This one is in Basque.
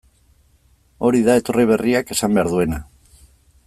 Hori da etorri berriak esan behar duena.